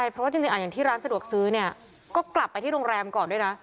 เพราะว่าที่ร้านสะดวกซื้อก็กลับไปที่โรงแรมก่อนด้วยนะ